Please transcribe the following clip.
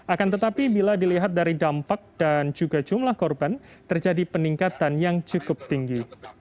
akan tetapi bila dilihat dari dampak dan juga jumlah korban terjadi peningkatan yang cukup tinggi